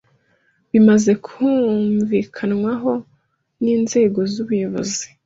bimaze kumvikantwa ho n’ inzego z’ ubuyoboz